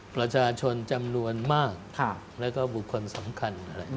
ประชาชนจำนวนมากแล้วก็บุคคลสำคัญ